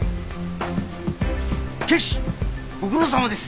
ご苦労さまです。